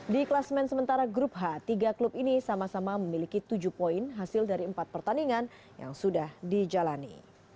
di kelas men sementara grup h tiga klub ini sama sama memiliki tujuh poin hasil dari empat pertandingan yang sudah dijalani